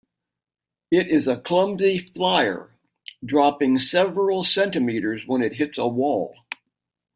It is a clumsy flier, dropping several centimeters when it hits a wall.